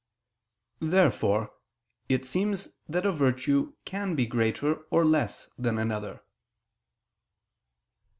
Therefore it seems that a virtue can be greater or less than another.